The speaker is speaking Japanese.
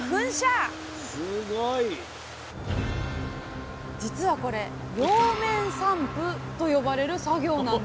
実はこれ葉面散布と呼ばれる作業なんです